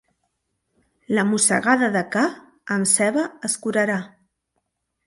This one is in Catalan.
La mossegada de ca, amb ceba es curarà.